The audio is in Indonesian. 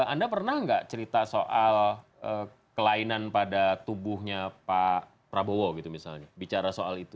anda pernah nggak cerita soal kelainan pada tubuhnya pak prabowo gitu misalnya bicara soal itu